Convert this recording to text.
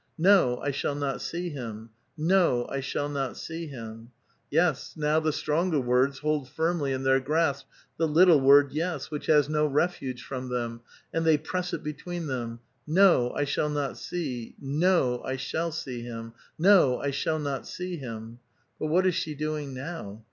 ^^ Ao, I shall not see him ; y/o, I sliall not see him !" Yes, now the stronger words hold firmlj* in their grasp the little word yes, which has no refuge from them ; they press it between them: *'^o, I shall not see — wo, I shall see him — no^ I shall not see him !" But what is she doing now